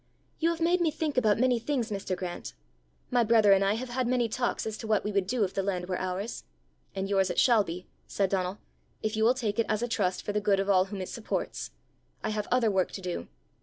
"You have made me think about many things, Mr. Grant! My brother and I have had many talks as to what we would do if the land were ours." "And yours it shall be," said Donal, "if you will take it as a trust for the good of all whom it supports. I have other work to do."